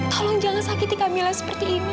tolong jangan sakiti camilan seperti ini